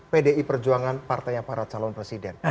pdi perjuangan partai yang para calon presiden